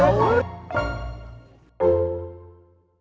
ayo kita mulai berjalan